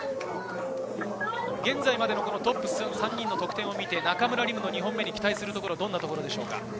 現在までのトップ３人の得点を見て、中村輪夢の２本目に期待するのは、どんなところですか？